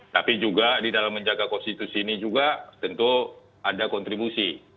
tapi juga di dalam menjaga konstitusi ini juga tentu ada kontribusi